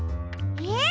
えっ？